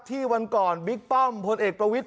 วันก่อนบิ๊กป้อมพลเอกประวิทย